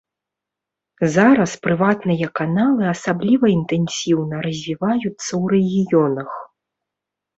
Зараз прыватныя каналы асабліва інтэнсіўна развіваюцца ў рэгіёнах.